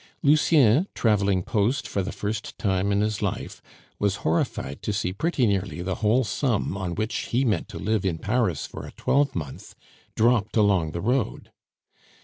Lucien, traveling post for the first time in his life, was horrified to see pretty nearly the whole sum on which he meant to live in Paris for a twelvemonth dropped along the road.